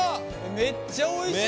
めっちゃおいしそう。